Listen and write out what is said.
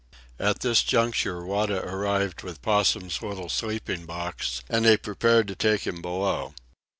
At this juncture Wada arrived with Possum's little sleeping box, and they prepared to take him below.